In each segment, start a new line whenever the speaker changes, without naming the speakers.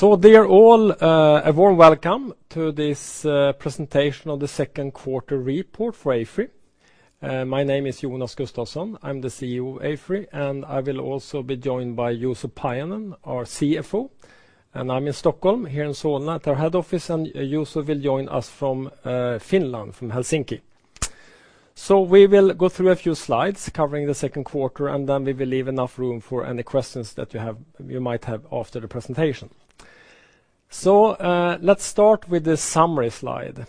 Dear all, a warm welcome to this presentation of the second quarter report for AFRY. My name is Jonas Gustavsson, I'm the CEO of AFRY, and I will also be joined by Juuso Pajunen, our CFO. I'm in Stockholm here in Solna at our head office, and Juuso will join us from Finland, from Helsinki. We will go through a few slides covering the second quarter, and then we will leave enough room for any questions that you have, you might have after the presentation. Let's start with the summary slide.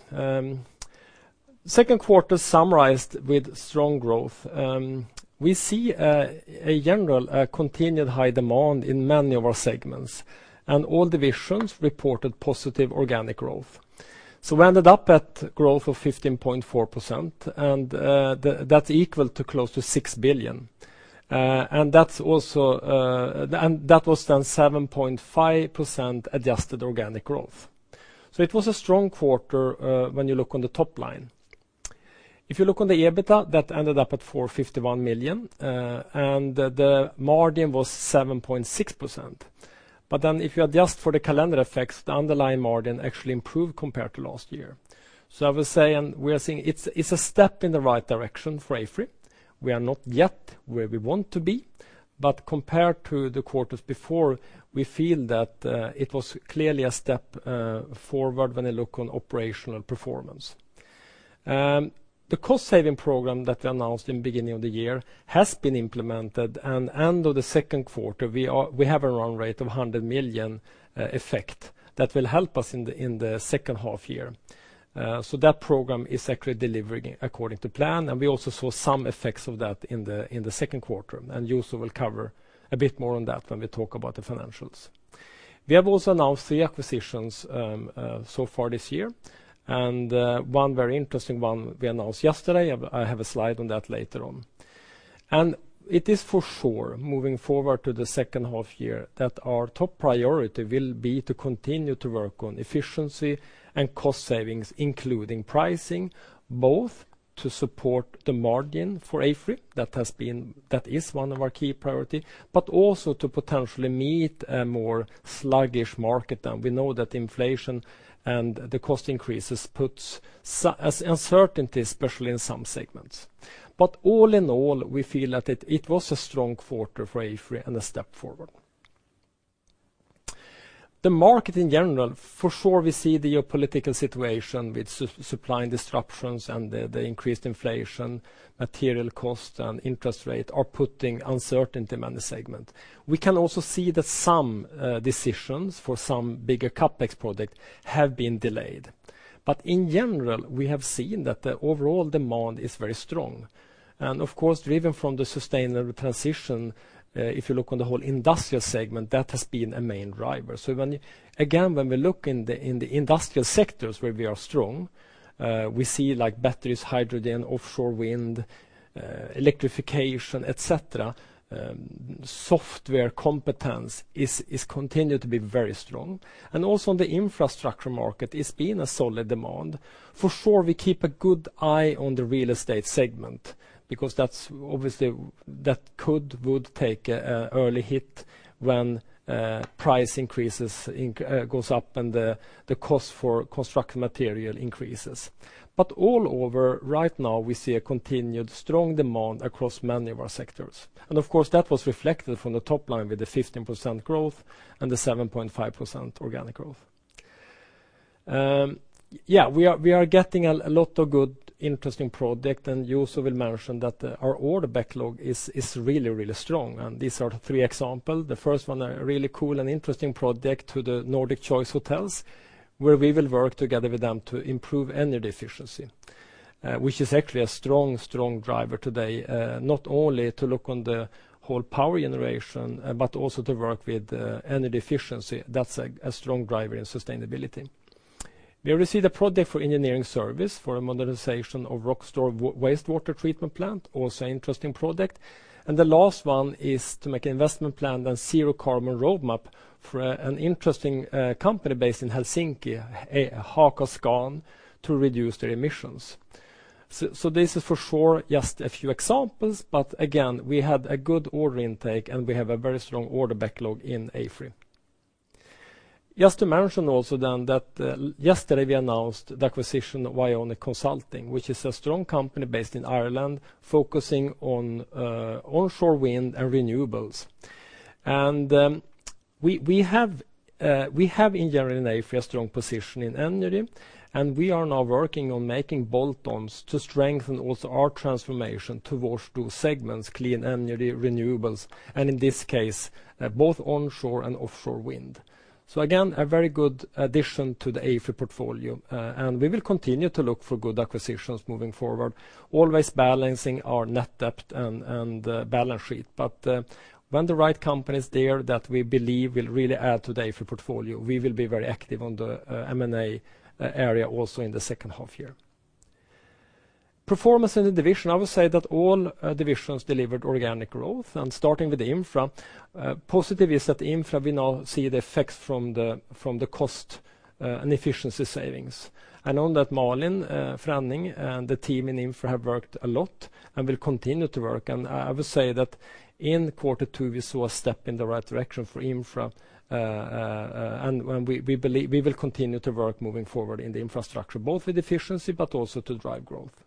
Second quarter summarized with strong growth. We see a general continued high demand in many of our segments, and all divisions reported positive organic growth. We ended up at growth of 15.4%, and that's equal to close to 6 billion. That was then 7.5% adjusted organic growth. It was a strong quarter when you look at the top line. If you look at the EBITDA, that ended up at 451 million, and the margin was 7.6%. If you adjust for the calendar effects, the underlying margin actually improved compared to last year. I will say, we are seeing it's a step in the right direction for AFRY. We are not yet where we want to be. Compared to the quarters before, we feel that it was clearly a step forward when you look at operational performance. The cost-saving program that we announced in the beginning of the year has been implemented, and at the end of the second quarter, we have a run rate of 100 million effect that will help us in the second half year. That program is actually delivering according to plan, and we also saw some effects of that in the second quarter. Juuso will cover a bit more on that when we talk about the financials. We have also announced three acquisitions so far this year, and one very interesting one we announced yesterday. I have a slide on that later on. It is for sure, moving forward to the second half year, that our top priority will be to continue to work on efficiency and cost savings, including pricing, both to support the margin for AFRY, that is one of our key priority, but also to potentially meet a more sluggish market. We know that inflation and the cost increases puts an uncertainty, especially in some segments. All in all, we feel that it was a strong quarter for AFRY and a step forward. The market in general, for sure, we see the geopolitical situation with supply disruptions and the increased inflation, material cost, and interest rate are putting uncertainty on the segment. We can also see that some decisions for some bigger CapEx projects have been delayed. In general, we have seen that the overall demand is very strong. Of course, driven by the sustainable transition, if you look at the whole industrial segment, that has been a main driver. When again we look in the industrial sectors where we are strong, we see like batteries, hydrogen, offshore wind, electrification, et cetera, software competence continues to be very strong. Also on the infrastructure market, it's been a solid demand. For sure, we keep a good eye on the real estate segment because that's obviously would take an early hit when prices increase, inflation goes up, and the cost for construction material increases. Overall, right now, we see a continued strong demand across many of our sectors. Of course, that was reflected in the top line with the 15% growth and the 7.5% organic growth. Yeah, we are getting a lot of good, interesting projects, and Juuso will mention that our order backlog is really strong. These are three examples. The first one, a really cool and interesting project to the Nordic Choice Hotels, where we will work together with them to improve energy efficiency, which is actually a strong driver today, not only to look on the whole power generation, but also to work with energy efficiency. That's a strong driver in sustainability. We received a project for engineering service for a modernization of Rostock wastewater treatment plant, also interesting project. The last one is to make an investment plan and zero carbon roadmap for an interesting company based in Helsinki, HKScan, to reduce their emissions. This is for sure just a few examples, but again, we had a good order intake, and we have a very strong order backlog in AFRY. Just to mention also then that yesterday we announced the acquisition of Ionic Consulting, which is a strong company based in Ireland focusing on offshore wind and renewables. We have in general in AFRY a strong position in energy, and we are now working on making bolt-ons to strengthen also our transformation towards those segments, clean energy, renewables, and in this case both onshore and offshore wind. Again, a very good addition to the AFRY portfolio. We will continue to look for good acquisitions moving forward, always balancing our net debt and the balance sheet. when the right company is there that we believe will really add to the AFRY portfolio, we will be very active on the M&A area also in the second half year. Performance in the division, I would say that all divisions delivered organic growth. starting with Infra, positive is that Infra we now see the effects from the cost and efficiency savings. I know that Malin Frenning and the team in Infra have worked a lot and will continue to work. I would say that in quarter two, we saw a step in the right direction for Infra, and we believe we will continue to work moving forward in the Infrastructure, both with efficiency but also to drive growth.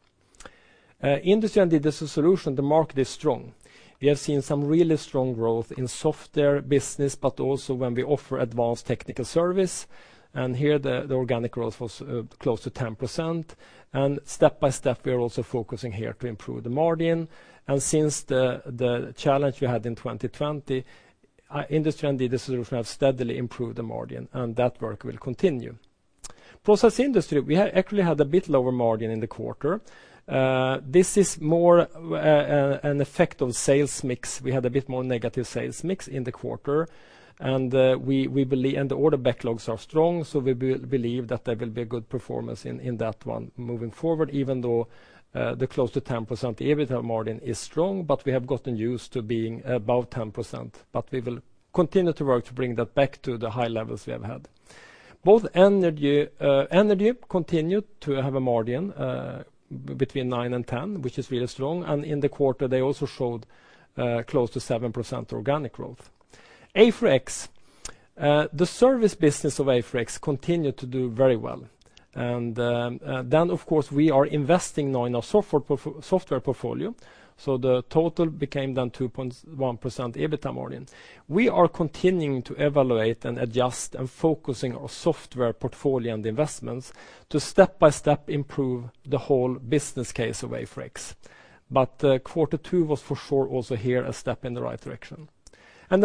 Industrial & Digital Solutions, the market is strong. We have seen some really strong growth in software business, but also when we offer advanced technical service. Here, the organic growth was close to 10%. Step by step, we are also focusing here to improve the margin. Since the challenge we had in 2020, Industrial & Digital Solutions have steadily improved the margin, and that work will continue. Process Industries, we actually had a bit lower margin in the quarter. This is more an effect of sales mix. We had a bit more negative sales mix in the quarter, and we believe, and the order backlogs are strong, so we believe that there will be a good performance in that one moving forward, even though the close to 10% EBITDA margin is strong, but we have gotten used to being above 10%. We will continue to work to bring that back to the high levels we have had. Both energy continued to have a margin between 9% and 10%, which is really strong. In the quarter, they also showed close to 7% organic growth. AFRY, the service business of AFRY continued to do very well. Of course, we are investing now in our software portfolio, so the total became 2.1% EBITDA margin. We are continuing to evaluate and adjust and focusing our software portfolio and investments to step-by-step improve the whole business case of AFRY. Quarter two was for sure also here a step in the right direction.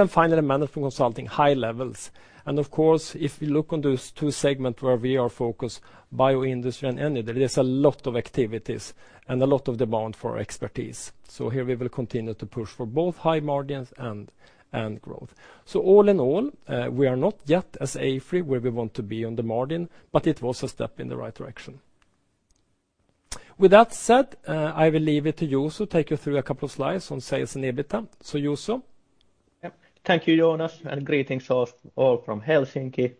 Finally, management consulting, high levels. Of course, if we look on those two segments where we are focused, bio industry and energy, there's a lot of activities and a lot of demand for expertise. Here we will continue to push for both high margins and growth. All in all, we are not yet at AFRY where we want to be on the margin, but it was a step in the right direction. With that said, I will leave it to Juuso to take you through a couple of slides on sales and EBITDA. Juuso?
Yeah. Thank you, Jonas, and greetings all from Helsinki.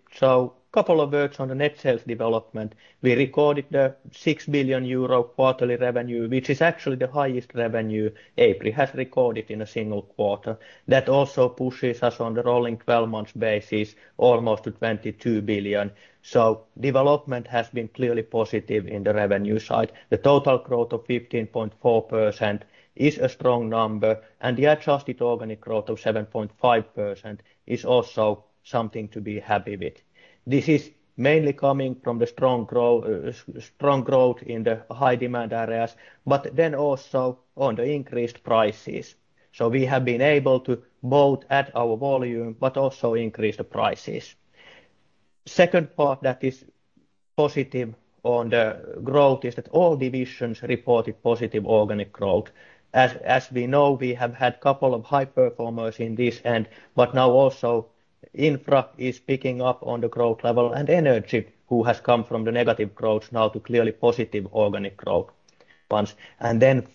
Couple of words on the net sales development. We recorded 6 billion euro quarterly revenue, which is actually the highest revenue AFRY has recorded in a single quarter. That also pushes us on the rolling 12 months basis almost to 22 billion. Development has been clearly positive in the revenue side. The total growth of 15.4% is a strong number, and the adjusted organic growth of 7.5% is also something to be happy with. This is mainly coming from the strong growth in the high demand areas, but then also on the increased prices. We have been able to both add our volume but also increase the prices. Second part that is positive on the growth is that all divisions reported positive organic growth. As we know, we have had a couple of high performers in this end, but now also Infra is picking up on the growth level and Energy, who has come from the negative growth now to clearly positive organic growth once.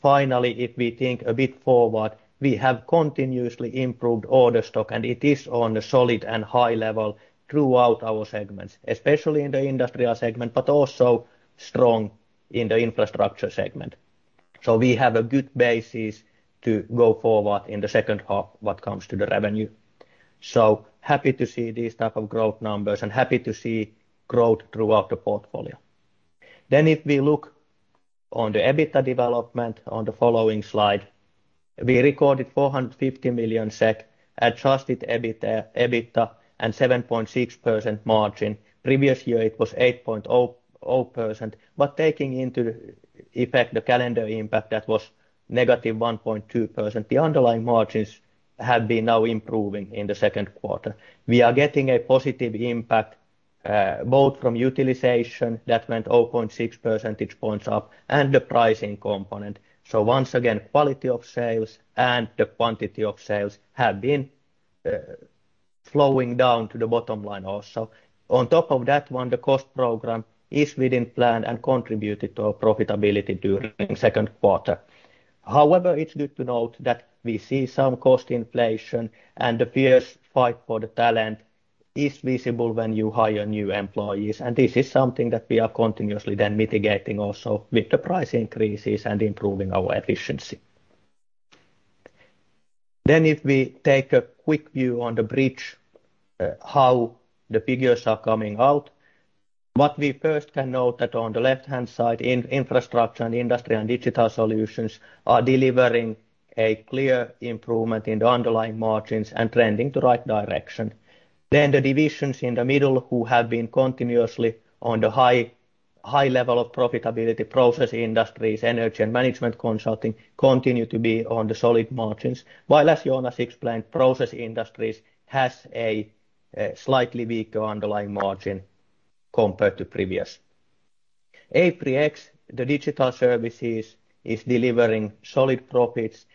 Finally, if we think a bit forward, we have continuously improved order stock, and it is on a solid and high level throughout our segments, especially in the Industrial segment, but also strong in the Infrastructure segment. We have a good basis to go forward in the second half what comes to the revenue. Happy to see these type of growth numbers and happy to see growth throughout the portfolio. If we look on the EBITDA development on the following slide, we recorded 450 million SEK Adjusted EBITDA and 7.6% margin. Previous year it was 8.0%, but taking into effect the calendar impact, that was -1.2%. The underlying margins have been now improving in the second quarter. We are getting a positive impact, both from utilization, that went 0.6 percentage points up, and the pricing component. Once again, quality of sales and the quantity of sales have been flowing down to the bottom line also. On top of that one, the cost program is within plan and contributed to our profitability during second quarter. However, it's good to note that we see some cost inflation, and the fierce fight for the talent is visible when you hire new employees. This is something that we are continuously then mitigating also with the price increases and improving our efficiency. If we take a quick view on the bridge, how the figures are coming out, what we first can note that on the left-hand side, Infrastructure and Industrial & Digital Solutions are delivering a clear improvement in the underlying margins and trending the right direction. The divisions in the middle, who have been continuously on the high level of profitability, Process Industries, Energy and Management Consulting, continue to be on the solid margins. While as Jonas explained, Process Industries has a slightly weaker underlying margin compared to previous. AFRY X, the digital services, is delivering solid profits.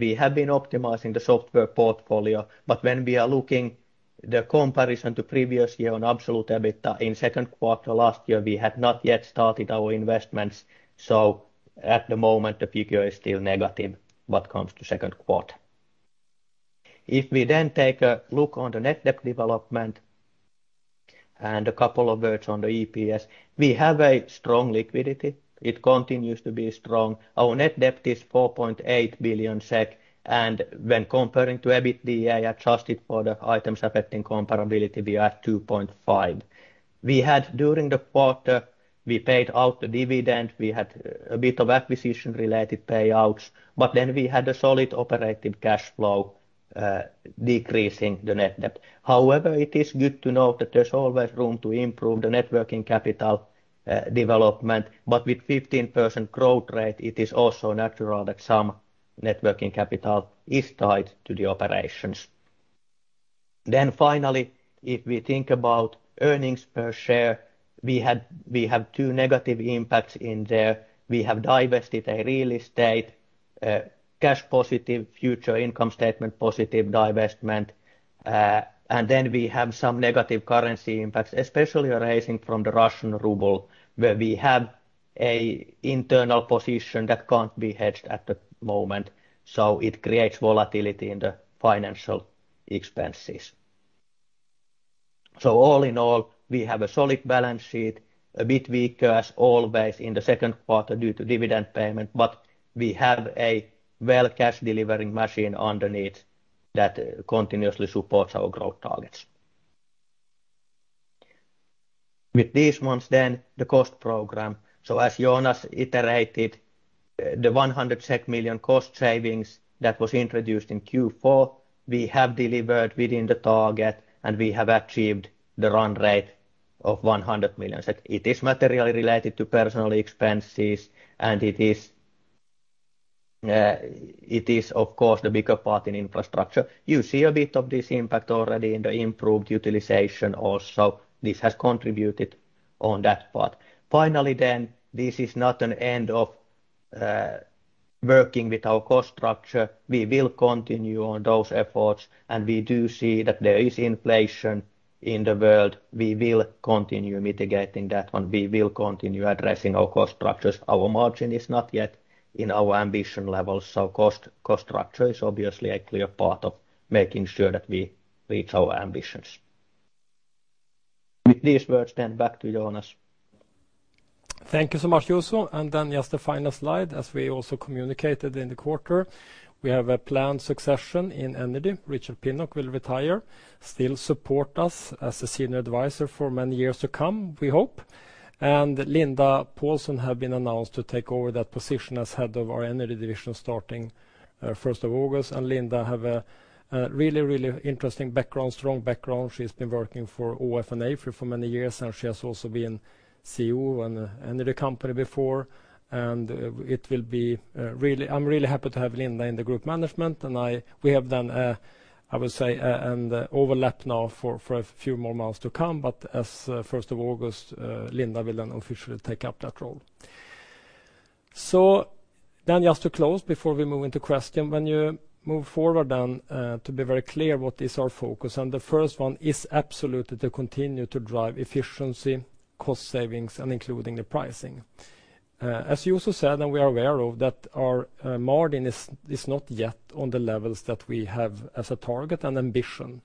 We have been optimizing the software portfolio, but when we are looking at the comparison to previous year on absolute EBITDA in second quarter last year, we had not yet started our investments. At the moment, the figure is still negative when it comes to second quarter. If we then take a look at the net debt development. A couple of words on the EPS. We have a strong liquidity. It continues to be strong. Our net debt is 4.8 billion SEK, and when comparing to EBITDA adjusted for the items affecting comparability, we are at 2.5. We had during the quarter, we paid out the dividend, we had a bit of acquisition-related payouts, but then we had a solid operating cash flow, decreasing the net debt. However, it is good to note that there's always room to improve the working capital development, but with 15% growth rate, it is also natural that some working capital is tied to the operations. Finally, if we think about earnings per share, we have two negative impacts in there. We have divested a real estate, cash positive, future income statement positive divestment, and then we have some negative currency impacts, especially arising from the Russian ruble, where we have an internal position that can't be hedged at the moment, so it creates volatility in the financial expenses. All in all, we have a solid balance sheet, a bit weaker as always in the second quarter due to dividend payment, but we have a well cash delivering machine underneath that continuously supports our growth targets. With this ones then the cost program. As Jonas iterated, the 100 million SEK cost savings that was introduced in Q4, we have delivered within the target, and we have achieved the run rate of 100 million. It is materially related to personal expenses, and it is of course the bigger part in infrastructure. You see a bit of this impact already in the improved utilization also. This has contributed on that part. Finally, this is not an end of working with our cost structure. We will continue on those efforts, and we do see that there is inflation in the world. We will continue mitigating that, and we will continue addressing our cost structures. Our margin is not yet in our ambition levels, so cost structure is obviously a clear part of making sure that we reach our ambitions. With these words back to Jonas.
Thank you so much, Juuso. Then just the final slide, as we also communicated in the quarter, we have a planned succession in Energy. Richard Pinnock will retire, still support us as a senior advisor for many years to come, we hope. Linda Pålsson has been announced to take over that position as head of our Energy Division starting first of August. Linda has a really interesting background, strong background. She's been working for AFRY for many years, and she has also been CEO in the company before. I'm really happy to have Linda in the group management, and we have then, I would say, an overlap now for a few more months to come. As first of August, Linda will then officially take up that role. Just to close before we move into question, when you move forward then, to be very clear what is our focus, and the first one is absolutely to continue to drive efficiency, cost savings, and including the pricing. As Juuso said, and we are aware of, that our margin is not yet on the levels that we have as a target and ambition.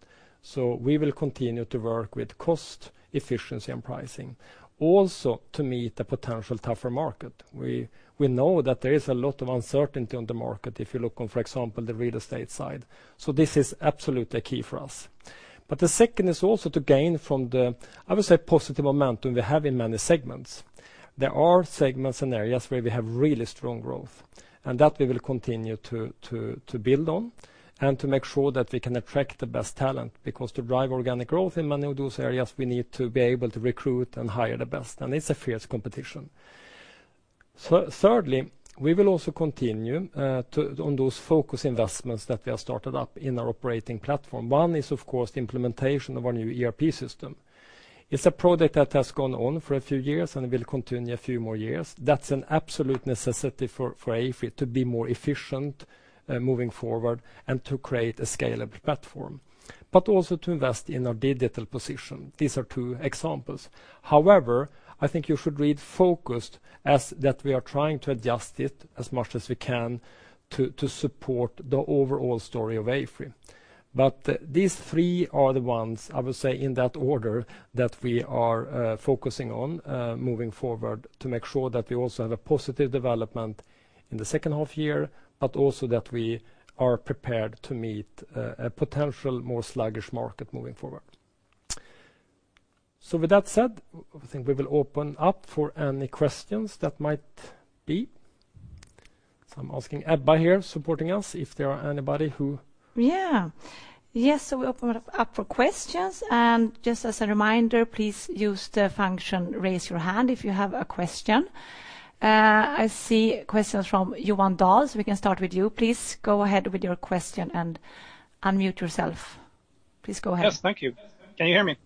We will continue to work with cost efficiency and pricing also to meet the potential tougher market. We know that there is a lot of uncertainty on the market if you look on, for example, the real estate side. This is absolutely key for us. The second is also to gain from the, I would say, positive momentum we have in many segments. There are segments and areas where we have really strong growth, and that we will continue to build on and to make sure that we can attract the best talent, because to drive organic growth in many of those areas, we need to be able to recruit and hire the best, and it's a fierce competition. Thirdly, we will also continue on those focus investments that we have started up in our operating platform. One is, of course, the implementation of our new ERP system. It's a project that has gone on for a few years and will continue a few more years. That's an absolute necessity for AFRY to be more efficient moving forward and to create a scalable platform, but also to invest in our digital position. These are two examples. However, I think you should read focused as that we are trying to adjust it as much as we can to support the overall story of AFRY. These three are the ones, I would say, in that order, that we are focusing on moving forward to make sure that we also have a positive development in the second half year, but also that we are prepared to meet a potential more sluggish market moving forward. With that said, I think we will open up for any questions that might be. I'm asking Ebba here supporting us if there are anybody who
Yes, we open up for questions. Just as a reminder, please use the function, raise your hand if you have a question. I see questions from Johan Dahl. We can start with you. Please go ahead with your question and unmute yourself. Please go ahead.
Yes. Thank you. Can you hear me?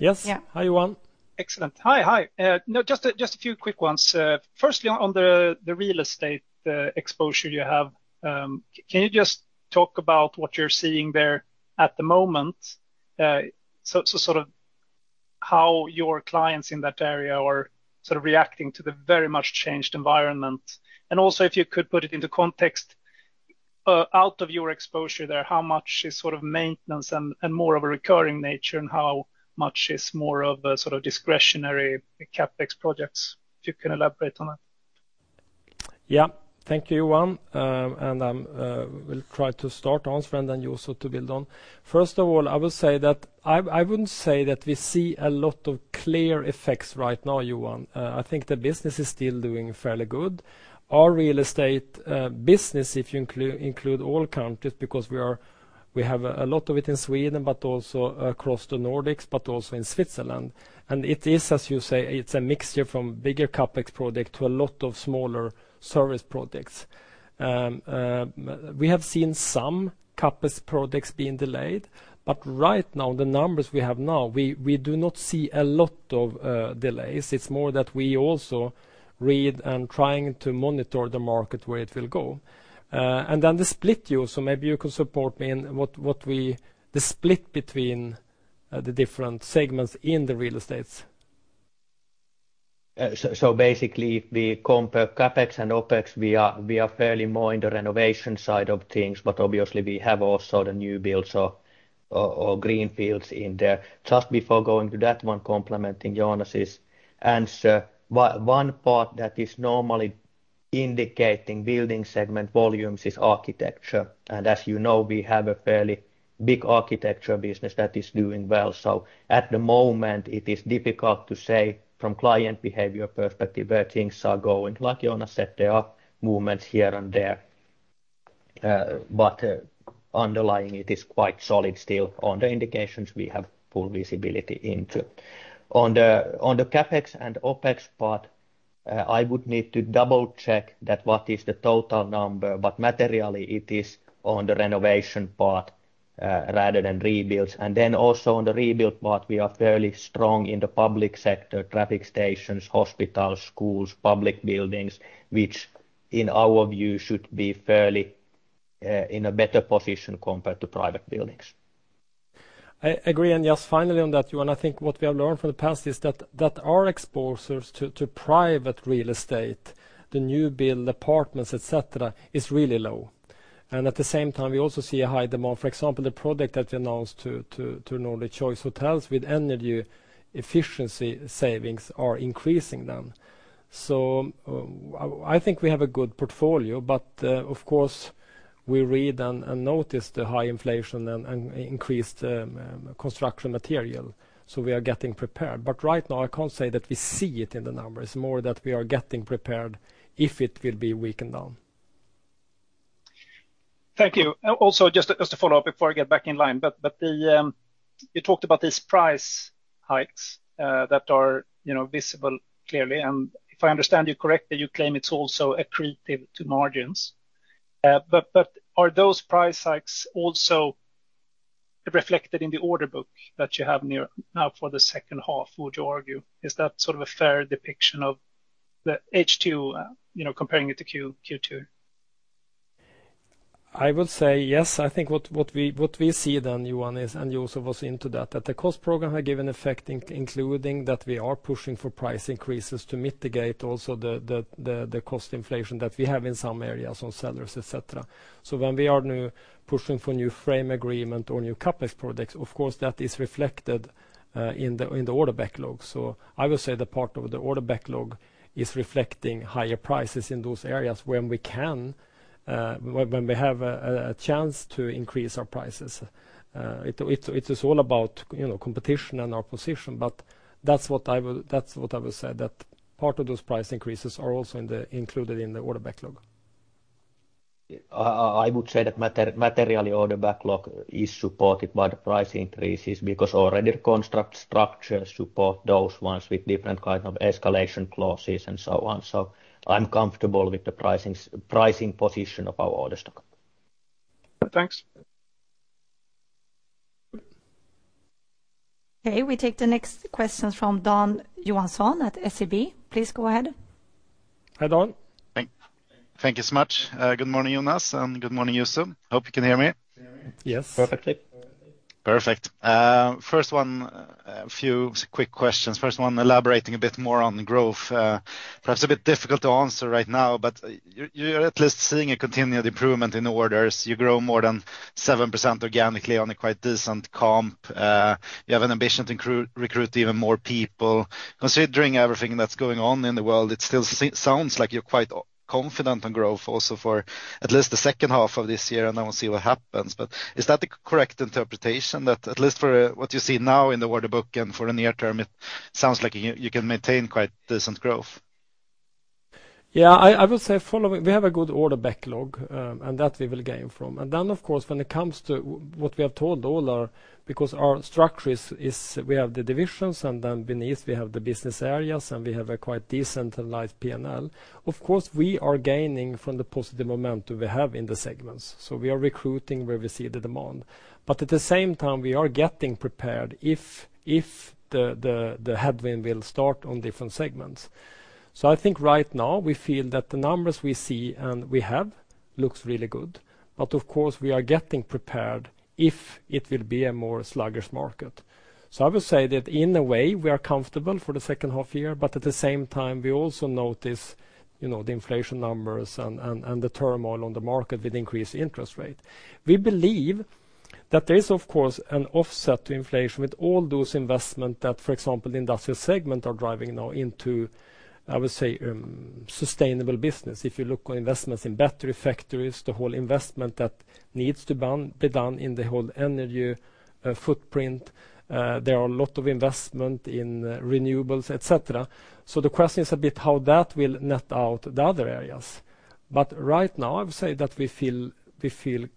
Yes.
Yeah.
Hi, Johan.
Excellent. Hi. Hi. No, just a few quick ones. Firstly, on the real estate exposure you have, can you just talk about what you're seeing there at the moment? So sort of how your clients in that area are sort of reacting to the very much changed environment. Also if you could put it into context, out of your exposure there, how much is sort of maintenance and more of a recurring nature, and how much is more of a sort of discretionary CapEx projects? If you can elaborate on that.
Yeah. Thank you, Johan. I will try to start answering, then you also to build on. First of all, I will say that I wouldn't say that we see a lot of clear effects right now, Johan. I think the business is still doing fairly good. Our real estate business, if you include all countries, because we have a lot of it in Sweden, but also across the Nordics, but also in Switzerland. It is, as you say, it's a mixture from bigger CapEx project to a lot of smaller service projects. We have seen some CapEx projects being delayed, but right now the numbers we have now, we do not see a lot of delays. It's more that we also read and trying to monitor the market where it will go. The split, Juuso, maybe you could support me in what the split between the different segments in the real estate.
Basically if we compare CapEx and OpEx, we are fairly more in the renovation side of things, but obviously we have also the new builds or green fields in there. Just before going to that one, complementing Jonas' answer, one part that is normally indicating building segment volumes is architecture. As you know, we have a fairly big architecture business that is doing well. At the moment it is difficult to say from client behavior perspective where things are going. Like Jonas said, there are movements here and there, but underlying it is quite solid still on the indications we have full visibility into. On the CapEx and OpEx part, I would need to double-check that what is the total number, but materially it is on the renovation part rather than rebuilds. On the rebuild part, we are fairly strong in the public sector, traffic stations, hospitals, schools, public buildings, which in our view should be fairly in a better position compared to private buildings.
I agree. Just finally on that, Johan, I think what we have learned from the past is that our exposures to private real estate, the new build apartments, et cetera, is really low. At the same time, we also see a high demand. For example, the product that we announced to Nordic Choice Hotels with energy efficiency savings are increasing them. I think we have a good portfolio, but of course we read and notice the high inflation and increased construction material, so we are getting prepared. Right now I can't say that we see it in the numbers, more that we are getting prepared if it will be weakened down.
Thank you. Also, just to follow up before I get back in line, but then you talked about these price hikes that are, you know, visible clearly. If I understand you correctly, you claim it's also accretive to margins. But are those price hikes also reflected in the order book that you have right now for the second half, would you argue? Is that sort of a fair depiction of the H2, you know, comparing it to Q2?
I would say yes. I think what we see then, Johan, is, and Juuso was into that the cost program had given effect including that we are pushing for price increases to mitigate also the cost inflation that we have in some areas on salaries, et cetera. When we are now pushing for new frame agreement or new CapEx projects, of course that is reflected in the order backlog. I would say the part of the order backlog is reflecting higher prices in those areas when we can, when we have a chance to increase our prices. It is all about, you know, competition and our position, but that's what I will say, that part of those price increases are also included in the order backlog.
I would say that materially order backlog is supported by the price increases because already the contract structures support those ones with different kind of escalation clauses and so on. I'm comfortable with the pricing position of our order stock.
Thanks.
Okay, we take the next question from Dan Johansson at SEB. Please go ahead.
Hi, Dan.
Thank you so much. Good morning, Jonas, and good morning, Juuso. Hope you can hear me.
Yes.
Perfectly.
Perfect. First one, a few quick questions. First one, elaborating a bit more on growth. Perhaps a bit difficult to answer right now, but you're at least seeing a continued improvement in orders. You grow more than 7% organically on a quite decent comp. You have an ambition to recruit even more people. Considering everything that's going on in the world, it still sounds like you're quite confident on growth also for at least the second half of this year, and then we'll see what happens. Is that the correct interpretation? That at least for what you see now in the order book and for the near term, it sounds like you can maintain quite decent growth.
Yeah, I would say following. We have a good order backlog, and that we will gain from. Then of course when it comes to what we have told all our. Because our structure is we have the divisions, and then beneath we have the business areas, and we have a quite decentralized P&L. Of course, we are gaining from the positive momentum we have in the segments, so we are recruiting where we see the demand. At the same time we are getting prepared if the headwind will start on different segments. I think right now we feel that the numbers we see and we have looks really good, but of course we are getting prepared if it will be a more sluggish market. I would say that in a way, we are comfortable for the second half year, but at the same time we also notice, you know, the inflation numbers and the turmoil on the market with increased interest rate. We believe that there is of course an offset to inflation with all those investment that, for example, the industrial segment are driving now into, I would say, sustainable business. If you look on investments in battery factories, the whole investment that needs to be done be done in the whole energy footprint, there are a lot of investment in renewables, et cetera. The question is a bit how that will net out the other areas. Right now, I would say that we feel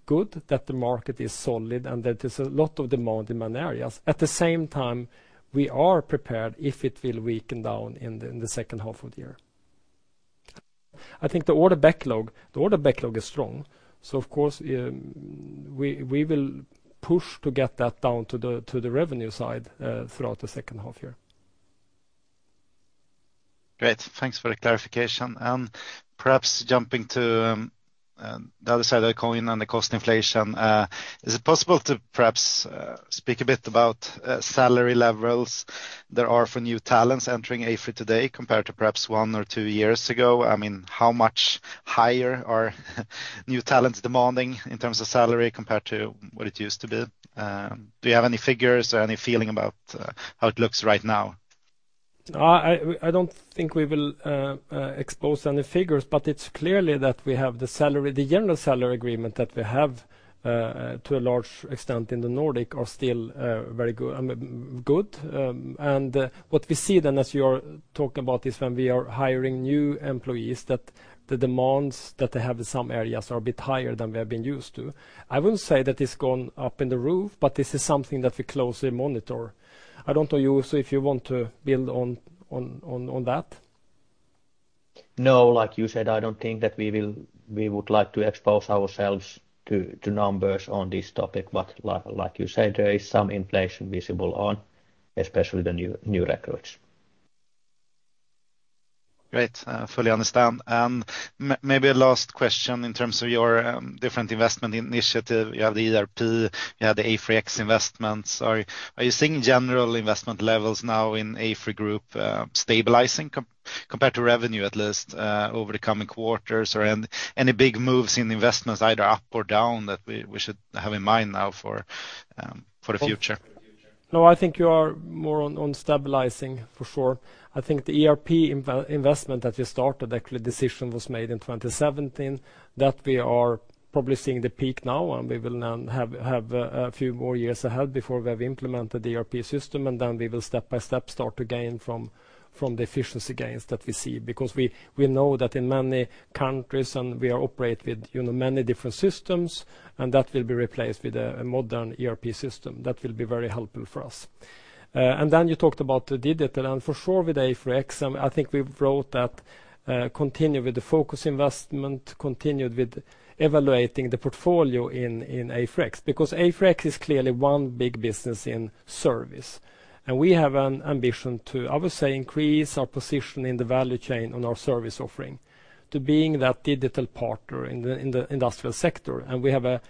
good that the market is solid and that there's a lot of demand in many areas. At the same time, we are prepared if it will weaken down in the second half of the year. I think the order backlog is strong. Of course, we will push to get that down to the revenue side throughout the second half year.
Great. Thanks for the clarification. Perhaps jumping to the other side of the coin on the cost inflation, is it possible to perhaps speak a bit about salary levels there are for new talents entering AFRY today compared to perhaps one or two years ago? I mean, how much higher are new talents demanding in terms of salary compared to what it used to be? Do you have any figures or any feeling about how it looks right now?
I don't think we will expose any figures, but it's clear that we have the salary, the general salary agreement that we have to a large extent in the Nordics are still very good. I mean, good. What we see then as you are talking about is when we are hiring new employees, that the demands that they have in some areas are a bit higher than we have been used to. I wouldn't say that it's gone through the roof, but this is something that we closely monitor. I don't know, Juuso, if you want to build on that.
No, like you said, I don't think that we would like to expose ourselves to numbers on this topic. Like you said, there is some inflation visible on especially the new recruits.
Great. Fully understand. Maybe a last question in terms of your different investment initiative. You have the ERP, you have the AFRY X investments. Are you seeing general investment levels now in AFRY Group stabilizing compared to revenue, at least, over the coming quarters? Or any big moves in investments either up or down that we should have in mind now for the future?
No, I think you are more on stabilizing for sure. I think the ERP investment that we started, actually decision was made in 2017, that we are probably seeing the peak now, and we will now have a few more years ahead before we have implemented the ERP system, and then we will step by step start to gain from the efficiency gains that we see. Because we know that in many countries and we operate with, you know, many different systems, and that will be replaced with a modern ERP system. That will be very helpful for us. And then you talked about the digital, and for sure with AFRY X, I think we wrote that, continue with the focus investment, continue with evaluating the portfolio in AFRY X. Because AFRY is clearly one big business in service, and we have an ambition to, I would say, increase our position in the value chain on our service offering to being that digital partner in the industrial sector. We have a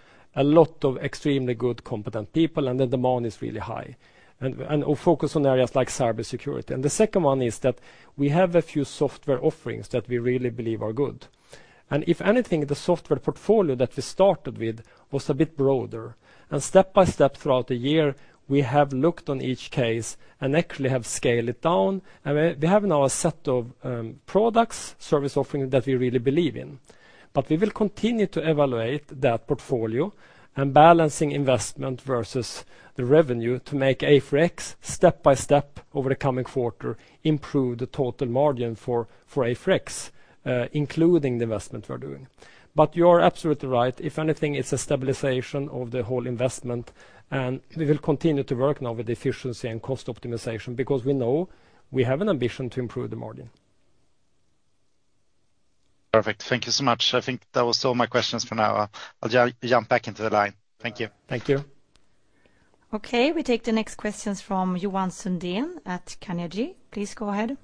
lot of extremely good competent people, and the demand is really high and focus on areas like cybersecurity. The second one is that we have a few software offerings that we really believe are good. If anything, the software portfolio that we started with was a bit broader. Step by step throughout the year, we have looked on each case and actually have scaled it down. We have now a set of products, service offerings that we really believe in. We will continue to evaluate that portfolio and balancing investment versus the revenue to make AFRY step by step over the coming quarter improve the total margin for AFRY, including the investment we are doing. You are absolutely right. If anything, it's a stabilization of the whole investment, and we will continue to work now with efficiency and cost optimization because we know we have an ambition to improve the margin.
Perfect. Thank you so much. I think that was all my questions for now. I'll jump back into the line. Thank you.
Thank you.
Okay. We take the next questions from Johan Sundén at Carnegie. Please go ahead.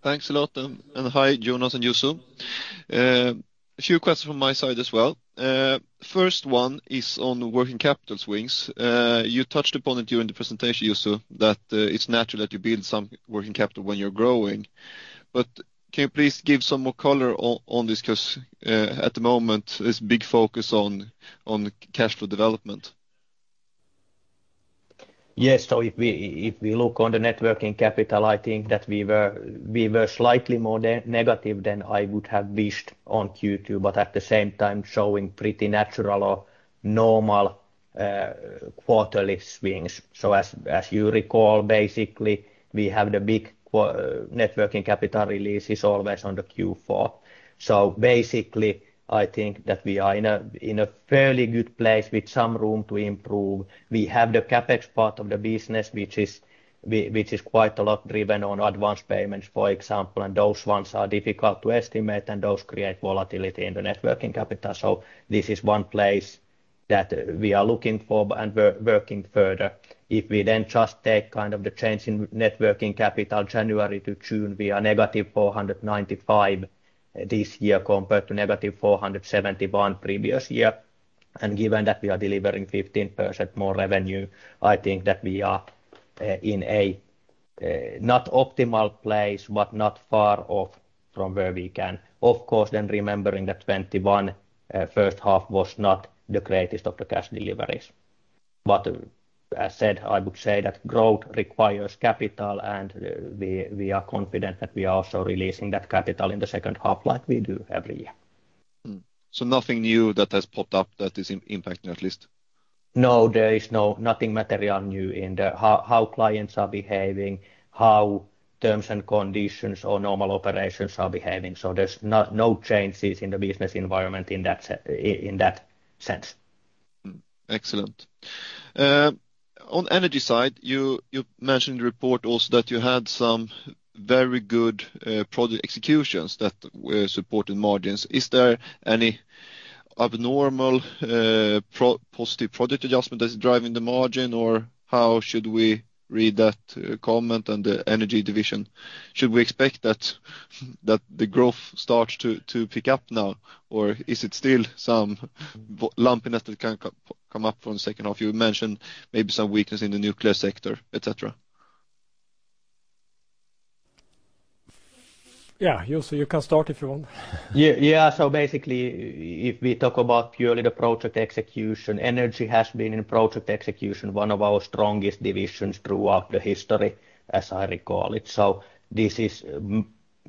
Thanks a lot, and hi, Jonas and Juuso. A few questions from my side as well. First one is on working capital swings. You touched upon it during the presentation, Juuso, that it's natural that you build some working capital when you're growing. But can you please give some more color on this? 'Cause at the moment, there's big focus on cash flow development.
Yes. If we look on the net working capital, I think that we were slightly more negative than I would have wished on Q2, but at the same time showing pretty natural or normal quarterly swings. As you recall, basically, we have the big net working capital releases always on the Q4. Basically, I think that we are in a fairly good place with some room to improve. We have the CapEx part of the business, which is quite a lot driven on advance payments, for example, and those ones are difficult to estimate, and those create volatility in the net working capital. This is one place that we are looking for and working further. If we then just take kind of the change in net working capital January to June, we are -495 this year compared to -471 previous year. Given that we are delivering 15% more revenue, I think that we are in a not optimal place, but not far off from where we can. Of course, remembering that 2021 first half was not the greatest of the cash deliveries. As said, I would say that growth requires capital, and we are confident that we are also releasing that capital in the second half like we do every year.
Nothing new that has popped up that is impacting at least?
No, there is nothing material new in how clients are behaving, how terms and conditions or normal operations are behaving. There's no changes in the business environment in that sense.
Excellent. On energy side, you mentioned in the report also that you had some very good project executions that were supporting margins. Is there any abnormally positive project adjustment that's driving the margin, or how should we read that comment on the Energy Division? Should we expect that the growth starts to pick up now, or is it still some lumpiness that can come up from the second half? You mentioned maybe some weakness in the nuclear sector, et cetera.
Yeah, Juuso, you can start if you want.
Yeah. Basically if we talk about purely the project execution, Energy has been in project execution one of our strongest divisions throughout the history, as I recall it. This is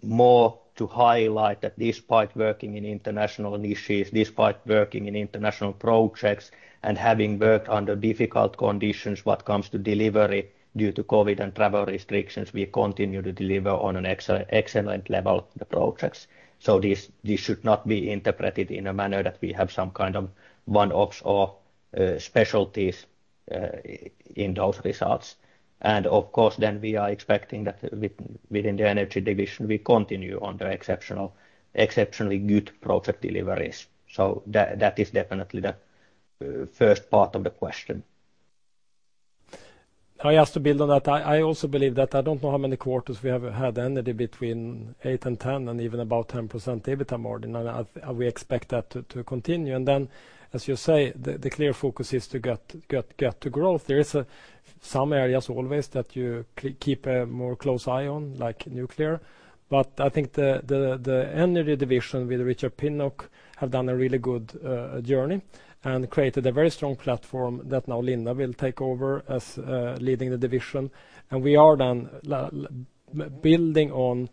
more to highlight that despite working in international niches, despite working in international projects, and having worked under difficult conditions when it comes to delivery due to COVID and travel restrictions, we continue to deliver on an excellent level the projects. This should not be interpreted in a manner that we have some kind of one-offs or specialties in those results. Of course then we are expecting that within the Energy Division, we continue on the exceptionally good project deliveries. That is definitely the first part of the question.
I just want to build on that. I also believe that I don't know how many quarters we have had Energy between 8%-10%, and even about 10% EBITDA margin, and we expect that to continue. As you say, the clear focus is to get to growth. There is some areas always that you keep a more close eye on, like nuclear. I think the Energy Division with Richard Pinnock has done a really good journey and created a very strong platform that now Linda Pålsson will take over as leading the division. We are then building on,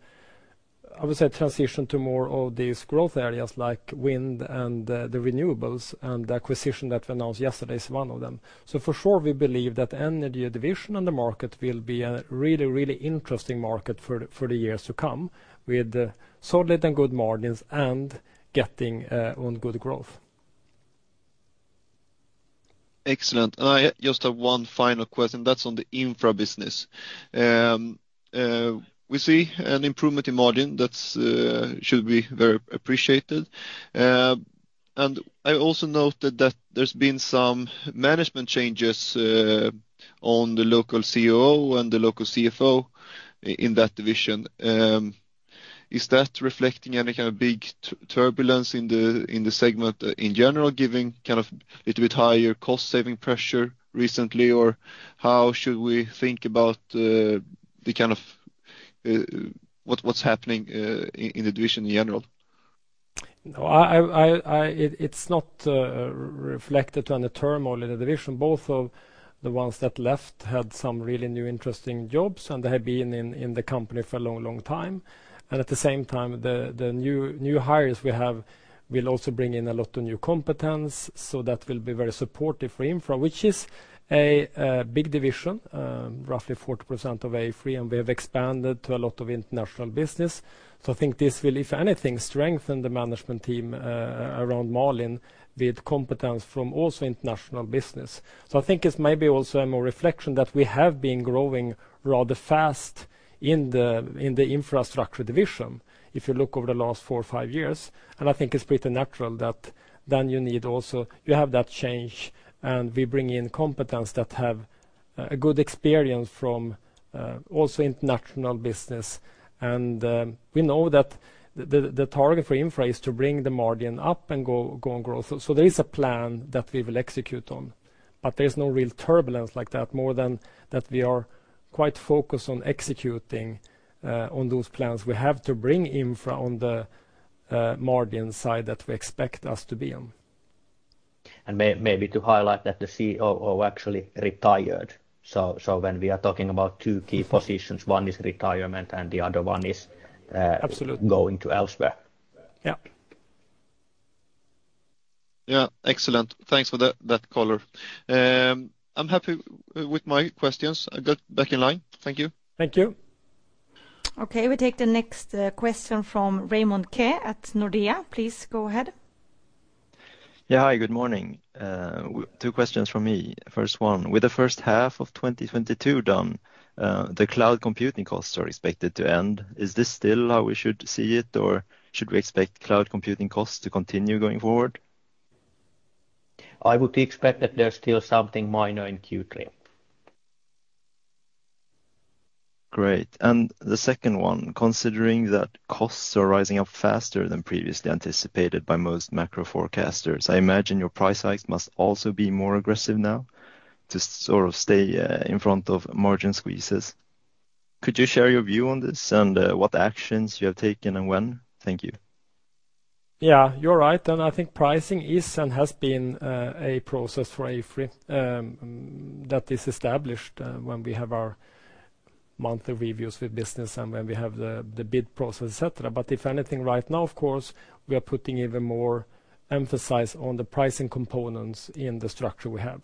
I would say, transition to more of these growth areas like wind and the renewables, and the acquisition that we announced yesterday is one of them. For sure, we believe that Energy Division on the market will be a really interesting market for the years to come, with solid and good margins and getting on good growth.
Excellent. I just have one final question, that's on the infra business. We see an improvement in margin that should be very appreciated. I also noted that there's been some management changes in the local COO and the local CFO in that division. Is that reflecting any kind of big turbulence in the segment in general, giving kind of little bit higher cost saving pressure recently? Or how should we think about the kind of what's happening in the division in general?
No, it’s not reflected on the turmoil in the division. Both of the ones that left had some really new interesting jobs, and they had been in the company for a long time. At the same time, the new hires we have will also bring in a lot of new competence, so that will be very supportive for Infrastructure, which is a big division, roughly 40% of AFRY, and we have expanded to a lot of international business. I think this will, if anything, strengthen the management team around Malin with competence from also international business. I think it’s maybe also a more reflection that we have been growing rather fast in the infrastructure division, if you look over the last four or five years. I think it's pretty natural that you need also. You have that change, and we bring in competence that have a good experience from also international business. We know that the target for Infrastructure is to bring the margin up and go and grow. So there is a plan that we will execute on, but there's no real turbulence like that, more than that we are quite focused on executing on those plans. We have to bring Infrastructure on the margin side that we expect us to be on.
Maybe to highlight that the COO actually retired. When we are talking about two key positions, one is retirement and the other one is,
Absolutely
Going to elsewhere.
Yeah.
Yeah. Excellent. Thanks for that color. I'm happy with my questions. I got back in line. Thank you.
Thank you.
Okay, we take the next question from Raymond Ke at Nordea. Please go ahead.
Yeah. Hi, good morning. Two questions from me. First one: with the first half of 2022 done, the cloud computing costs are expected to end. Is this still how we should see it, or should we expect cloud computing costs to continue going forward?
I would expect that there's still something minor in Q3.
Great. The second one: considering that costs are rising up faster than previously anticipated by most macro forecasters, I imagine your price hike must also be more aggressive now to sort of stay in front of margin squeezes. Could you share your view on this and what actions you have taken and when? Thank you.
Yeah, you're right. I think pricing is and has been a process for AFRY that is established when we have our monthly reviews with business and when we have the bid process, et cetera. If anything right now, of course, we are putting even more emphasis on the pricing components in the structure we have.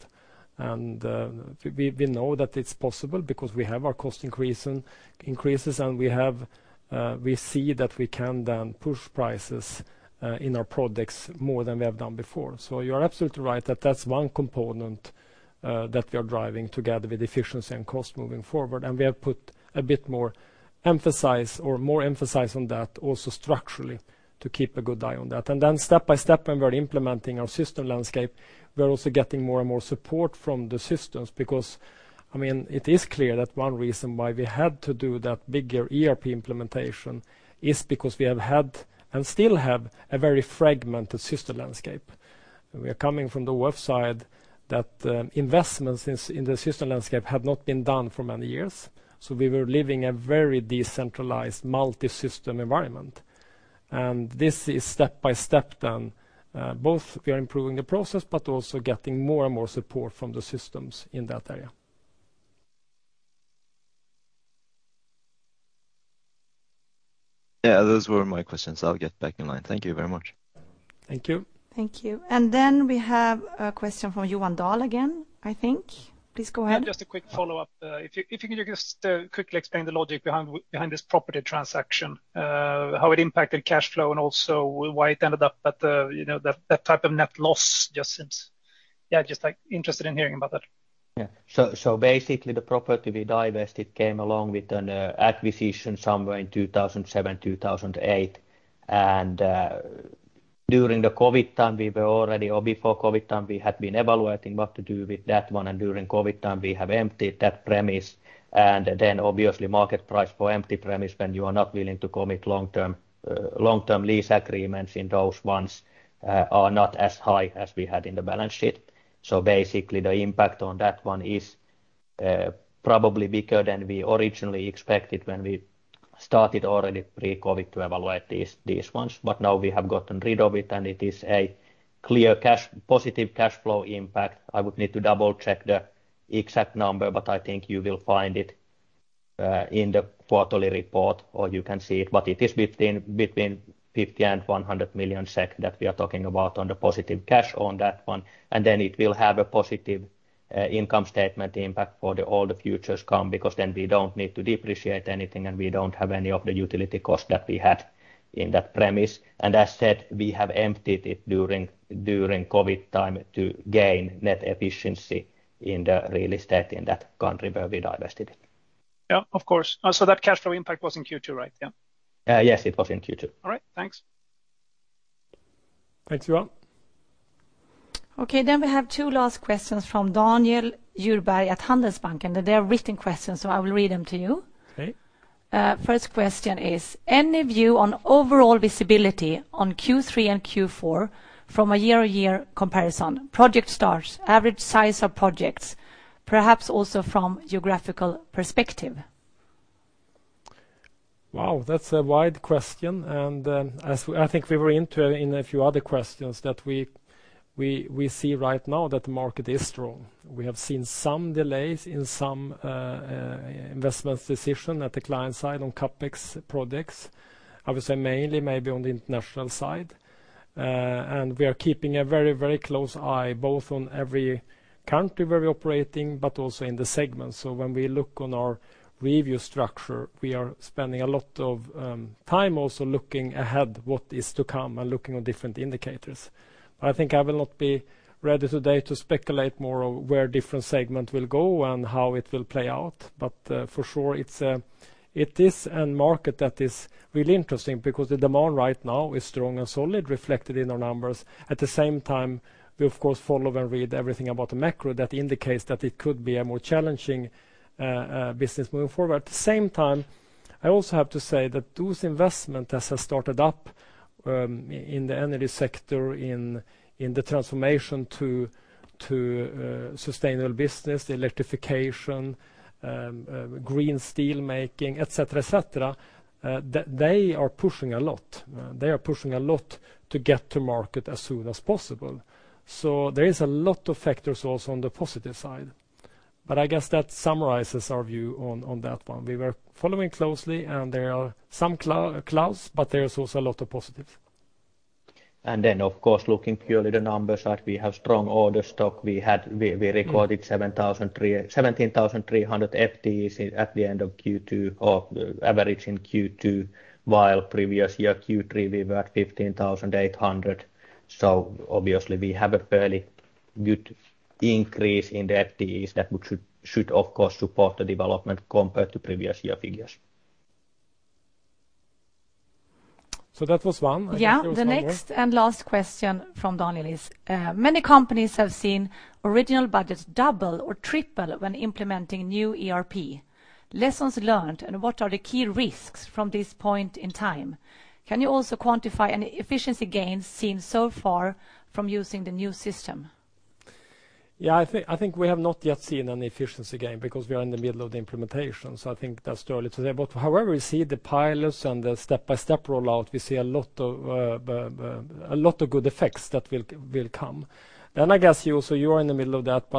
We know that it's possible because we have our cost increases, and we see that we can then push prices in our products more than we have done before. You are absolutely right that that's one component that we are driving together with efficiency and cost moving forward. We have put a bit more emphasis or more emphasis on that also structurally to keep a good eye on that. Step-by-step when we're implementing our system landscape, we're also getting more and more support from the systems because, I mean, it is clear that one reason why we had to do that bigger ERP implementation is because we have had and still have a very fragmented system landscape. We are coming from the west side that investments in the system landscape have not been done for many years. We were living a very decentralized multi-system environment. This is step-by-step then both we are improving the process but also getting more and more support from the systems in that area.
Yeah, those were my questions. I'll get back in line. Thank you very much.
Thank you.
Thank you. We have a question from Johan Dahl again, I think. Please go ahead.
Yeah, just a quick follow-up. If you can just quickly explain the logic behind this property transaction, how it impacted cash flow and also why it ended up at, you know, that type of net loss. Yeah, just, like, interested in hearing about that.
Yeah. Basically the property we divested came along with an acquisition somewhere in 2007, 2008. During the COVID time, or before COVID time, we had been evaluating what to do with that one, and during COVID time, we have emptied that premises. Obviously market price for empty premises when you are not willing to commit long-term lease agreements in those ones are not as high as we had in the balance sheet. Basically the impact on that one is probably bigger than we originally expected when we started already pre-COVID to evaluate these ones. Now we have gotten rid of it, and it is a clear cash-positive cash flow impact. I would need to double-check the exact number, but I think you will find it in the quarterly report, or you can see it. It is between 50 million and 100 million SEK that we are talking about on the positive cash on that one. Then it will have a positive income statement impact for all future costs because then we don't need to depreciate anything, and we don't have any of the utility costs that we had in that premises. As said, we have emptied it during COVID time to gain net efficiency in the real estate in that country where we divested it.
Yeah, of course. That cash flow impact was in Q2, right? Yeah.
Yes, it was in Q2.
All right. Thanks.
Thanks, Johan.
Okay, we have two last questions from Daniel Djurberg at Handelsbanken. They are written questions, so I will read them to you.
Okay.
First question is, any view on overall visibility on Q3 and Q4 from a year-over-year comparison? Project starts, average size of projects, perhaps also from geographical perspective.
Wow, that's a wide question. I think we were into in a few other questions that we see right now that the market is strong. We have seen some delays in some investment decision at the client side on CapEx products, I would say mainly maybe on the international side. We are keeping a very close eye both on every country we're operating but also in the segment. When we look on our review structure, we are spending a lot of time also looking ahead what is to come and looking on different indicators. I think I will not be ready today to speculate more of where different segment will go and how it will play out. For sure it's a market that is really interesting because the demand right now is strong and solid, reflected in our numbers. At the same time, we of course follow and read everything about the macro that indicates that it could be a more challenging business moving forward. At the same time, I also have to say that those investments as I started up in the energy sector in the transformation to sustainable business, electrification, green steel making, et cetera, they are pushing a lot. They are pushing a lot to get to market as soon as possible. So there is a lot of factors also on the positive side. I guess that summarizes our view on that one. We were following closely, and there are some clouds, but there's also a lot of positive.
Of course, looking purely at the numbers, we have strong order stock. We recorded 17,300 FTEs at the end of Q2 or average in Q2, while previous year Q3, we were at 15,800. Obviously we have a fairly good increase in the FTEs that we should of course support the development compared to previous year figures.
That was one. I think there was one more.
The next and last question from Daniel is, many companies have seen original budgets double or triple when implementing new ERP. Lessons learned, and what are the key risks from this point in time? Can you also quantify any efficiency gains seen so far from using the new system?
Yeah, I think we have not yet seen an efficiency gain because we are in the middle of the implementation. I think that's too early to say. However, we see the pilots and the step-by-step rollout. We see a lot of good effects that will come. I guess you also are in the middle of that.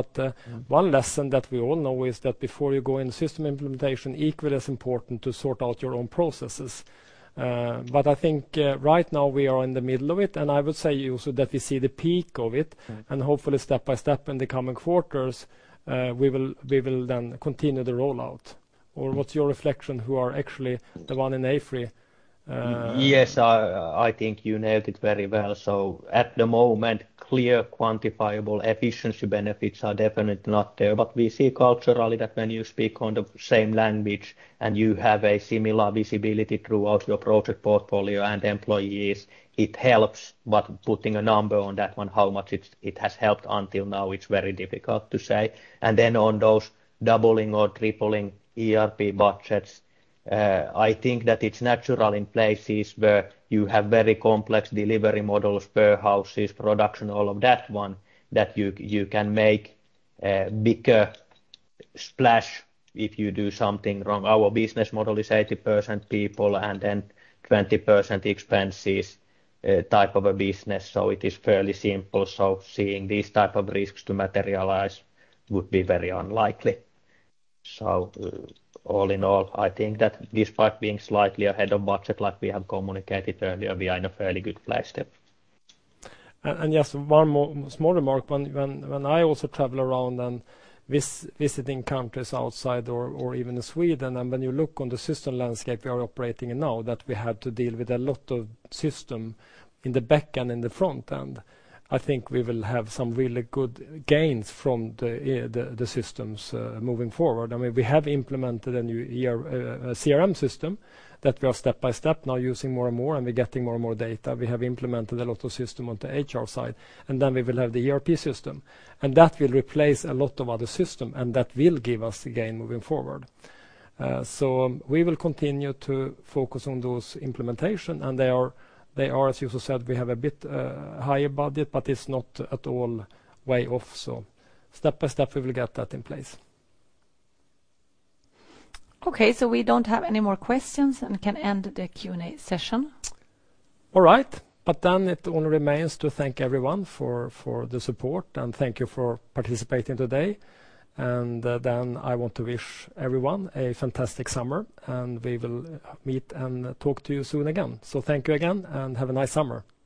One lesson that we all know is that before you go in system implementation, equally as important to sort out your own processes. I think right now we are in the middle of it, and I would say also that we see the peak of it. Hopefully step by step in the coming quarters, we will then continue the rollout. What's your reflection, who are actually the one in AFRY
Yes. I think you nailed it very well. At the moment, clear quantifiable efficiency benefits are definitely not there. We see culturally that when you speak on the same language, and you have a similar visibility throughout your project portfolio and employees, it helps. Putting a number on that one, how much it has helped until now, it's very difficult to say. Then on those doubling or tripling ERP budgets, I think that it's natural in places where you have very complex delivery models, warehouses, production, all of that one, that you can make a bigger splash if you do something wrong. Our business model is 80% people and then 20% expenses, type of a business, so it is fairly simple. Seeing these type of risks to materialize would be very unlikely. All in all, I think that despite being slightly ahead of budget, like we have communicated earlier, we are in a fairly good place still.
Just one more small remark. When I also travel around and visiting countries outside or even Sweden, and when you look on the system landscape we are operating in now, that we have to deal with a lot of system in the back and in the front end, I think we will have some really good gains from the systems moving forward. I mean, we have implemented a new ERP CRM system that we are step-by-step now using more and more, and we're getting more and more data. We have implemented a lot of system on the HR side, and then we will have the ERP system. That will replace a lot of other system, and that will give us gain moving forward. We will continue to focus on those implementation, and they are, as you said, we have a bit higher budget, but it's not at all way off. Step by step, we will get that in place.
Okay, we don't have any more questions and can end the Q&A session.
All right. It only remains to thank everyone for the support, and thank you for participating today. I want to wish everyone a fantastic summer, and we will meet and talk to you soon again. Thank you again, and have a nice summer.